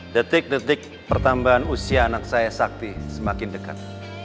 detik detik pertambahan usia anak saya sakti semakin dekat